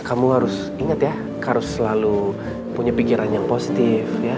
kamu harus ingat ya harus selalu punya pikiran yang positif